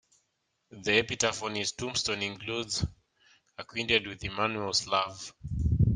The epitaph on his tombstone includes 'Acquainted with Emmanuel's Love'.